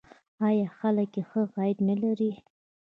آیا خلک یې ښه عاید نلري؟